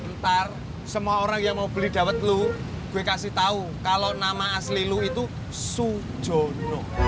ntar semua orang yang mau beli dawek lu gue kasih tau kalau nama asli lu itu su jono